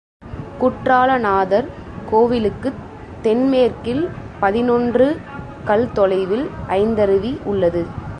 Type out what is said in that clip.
குற்றால நாதர் கோவிலுக்குத் தென் மேற்கில் பதினொன்று கல் தொலைவில் ஐந்தருவி உள்ளது.